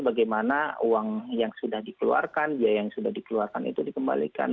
bagaimana uang yang sudah dikeluarkan biaya yang sudah dikeluarkan itu dikembalikan